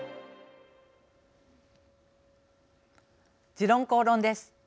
「時論公論」です。